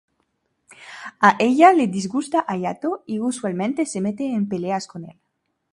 A ella le disgusta Hayato y usualmente se mete en peleas con el.